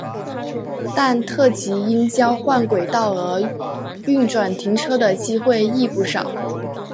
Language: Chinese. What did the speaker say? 但特急因交换轨道而运转停车的机会亦不少。